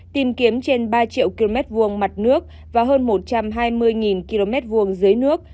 tìm kiếm trên ba triệu km vuông mặt nước và hơn một trăm hai mươi km vuông dưới nước